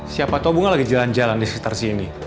siapa tuh bunga lagi jalan jalan di sitar sini